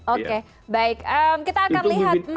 oke baik kita akan lihat